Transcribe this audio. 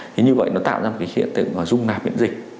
thì như vậy nó tạo ra một hiện tượng rung nạp biện dịch